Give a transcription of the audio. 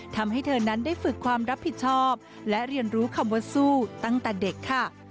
ทำให้เธอนั้นได้ฝึกความรับผิดชอบและเรียนรู้คำว่าสู้ตั้งแต่เด็กค่ะ